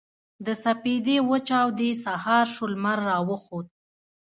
د سپـېدې وچـاودې سـهار شـو لمـر راوخـت.